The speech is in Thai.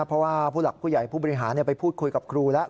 เพราะว่าผู้หลักผู้ใหญ่ผู้บริหารไปพูดคุยกับครูแล้ว